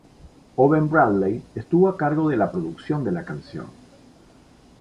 Owen Bradley estuvo a cargo de la producción de la canción.